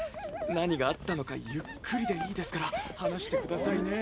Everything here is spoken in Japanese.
何があったのかゆっくりで良いですから話してくださいね。